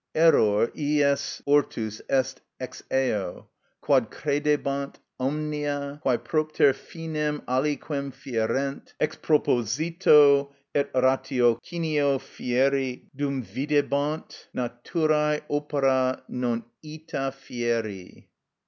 (_Error iis ortus est ex eo, quod credebant, omnia, quæ propter finem aliquem fierent, ex proposito et ratiocinio fieri, dum videbant, naturæ opera non ita fieri.